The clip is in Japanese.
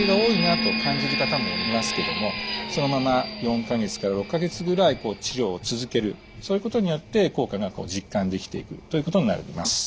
ですからそのまま４か月から６か月ぐらい治療を続けるそういうことによって効果が実感できていくということになります。